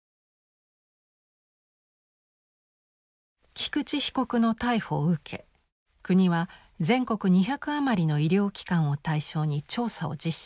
菊池被告の逮捕を受け国は全国２００余りの医療機関を対象に調査を実施。